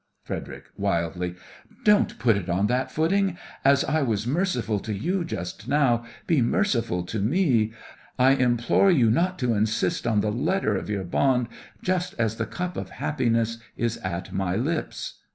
FREDERIC: (wildly) Don't put it on that footing! As I was merciful to you just now, be merciful to me! I implore you not to insist on the letter of your bond just as the cup of happiness is at my lips!